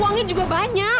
uangnya juga banyak